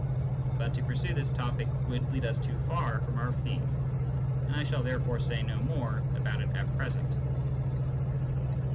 But to pursue this topic would lead us too far from our theme, and I shall therefore say no more about it at present.